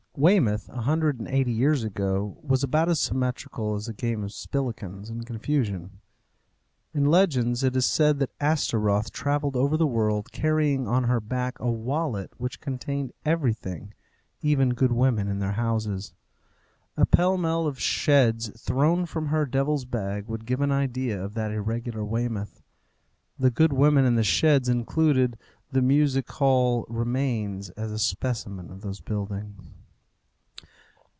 Weymouth, a hundred and eighty years ago, was about as symmetrical as a game of spillikins in confusion. In legends it is said that Astaroth travelled over the world, carrying on her back a wallet which contained everything, even good women in their houses. A pell mell of sheds thrown from her devil's bag would give an idea of that irregular Weymouth the good women in the sheds included. The Music Hall remains as a specimen of those buildings.